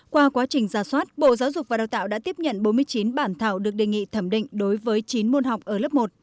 qua quá trình giả soát bộ giáo dục và đào tạo đã tiếp nhận bốn mươi chín bản thảo được đề nghị thẩm định đối với chín môn học ở lớp một